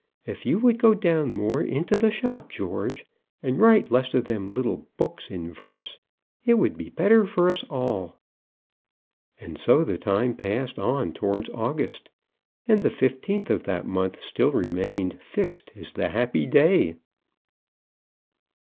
If you would go down more into the shop, George, and write less of them little books in verse, it would be better for us all." And so the time passed on towards August, and the fifteenth of that month still remained fixed as the happy day.